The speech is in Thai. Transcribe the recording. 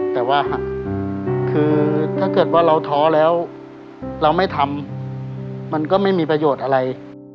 แต่ว่าคือถ้าเกิดว่าเราท้อแล้วเราไม่ทำมันก็ไม่มีประโยชน์อะไร